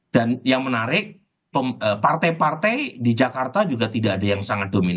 dan yang menarik partai partai di jakarta juga tidak ada yang sangat dorong